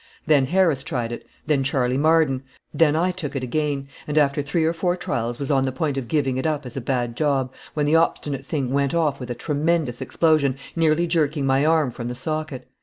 Then Harris tried it; then Charley Marden; then I took it again, and after three or four trials was on the point of giving it up as a bad job, when the obstinate thing went off with a tremendous explosion, nearly jerking my arm from the socket.